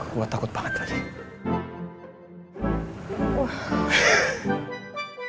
gue takut banget tadi